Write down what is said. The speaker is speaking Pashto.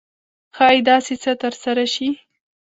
ښایي داسې څه ترسره شي.